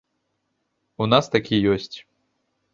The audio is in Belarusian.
У нас так і ёсць.